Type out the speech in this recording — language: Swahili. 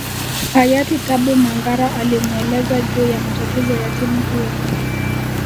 Hayati Tabu Mangara alimueleza juu ya matatizo ya timu hiyo